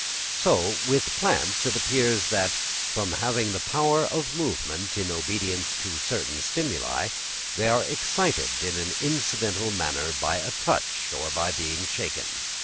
So with plants it appears that, from having the power of movement in obedience to certain stimuli, they are excited in an incidental manner by a touch, or by being shaken.